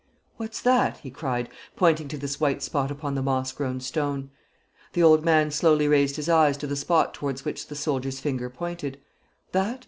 "What's that?" he cried, pointing to this white spot upon the moss grown stone. The old man slowly raised his eyes to the spot towards which the soldier's finger pointed. "That?"